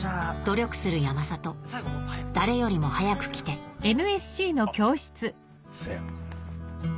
努力する山里誰よりも早く来てあっそや。